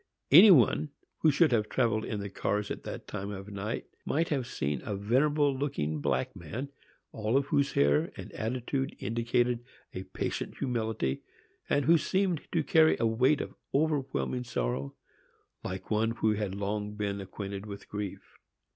Any one who should have travelled in the cars at that time might have seen a venerable looking black man, all whose air and attitude indicated a patient humility, and who seemed to carry a weight of overwhelming sorrow, like one who had long been acquainted with grief.